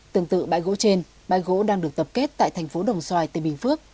tương tự bãi gỗ trên bãi gỗ đang được tập kết tại thành phố đồng xoài tỉnh bình phước